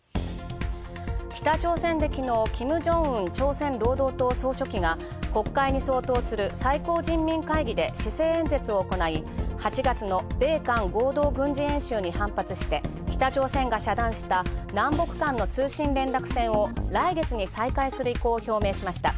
北朝鮮できのう金正恩・朝鮮労働党総書記が国会に相当する最高人民会議で施政演説を行い、８月の米韓合同軍事演習に反発して北朝鮮が遮断した南北間の通信連絡線を来月に再開するいこうを表明した。